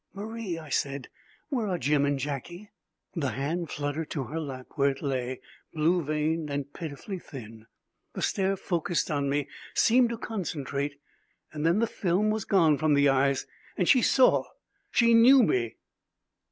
"Marie," I said, "where are Jim and Jackie?" The hand fluttered to her lap, where it lay, blue veined and pitifully thin. The stare focussed on me, seemed to concentrate. Then the film was gone from the eyes and she saw she knew me!